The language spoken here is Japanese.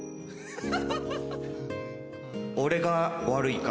俺が悪いか